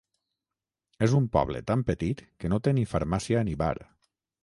És un poble tan petit que no té ni farmàcia ni bar.